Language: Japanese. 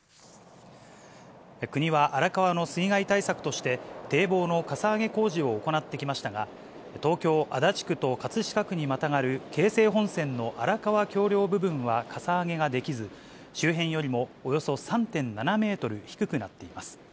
国は荒川の水害対策として、堤防のかさ上げ工事を行ってきましたが、東京・足立区と葛飾区にまたがる京成本線の荒川橋梁部分はかさ上げができず、周辺よりもおよそ３．７メートル低くなっています。